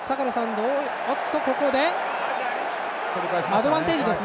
アドバンテージです。